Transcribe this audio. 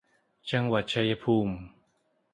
จังหวัดชัยภูมิ